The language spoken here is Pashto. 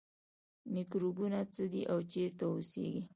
میکروبونه څه دي او چیرته اوسیږي